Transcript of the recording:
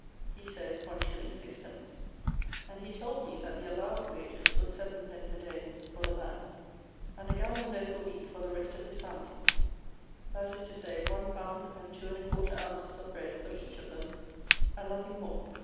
He said, 1_s._ 6_d._: and he told me that the allowed wages was 7_d._ a day for the man and a gallon loaf a week for the rest of his family; that is to say, one pound and two and a quarter ounces of bread for each of them; and nothing more!